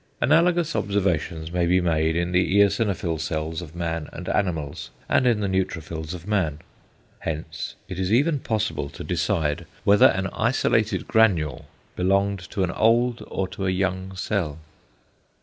Analogous observations may be made in the eosinophil cells of man and animals, and in the neutrophils of man. Hence it is even possible to decide whether an isolated granule belonged to an old or to a young cell.